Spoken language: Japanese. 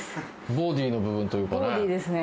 ボディの部分というかね